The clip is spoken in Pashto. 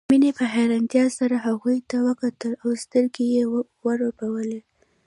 مينې په حيرانتيا سره هغوی ته وکتل او سترګې يې ورپولې